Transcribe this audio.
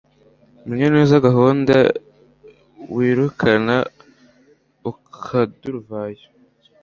menya neza gahunda wirukana akaduruvayo